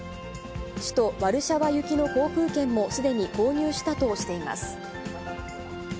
首都ワルシャワ行きの航空券もすでに購入したとしています。